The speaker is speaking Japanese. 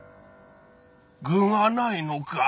具がないのか。